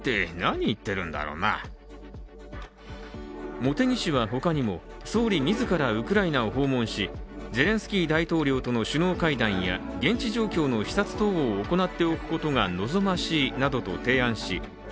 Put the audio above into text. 茂木氏は他にも、総理自らウクライナを訪問しゼレンスキー大統領との首脳会談や現地状況の視察等を捜査本部を設置しました。